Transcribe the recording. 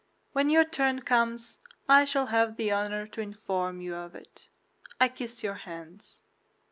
When your turn comes, I shall have the honor to inform you of it. I kiss your hands.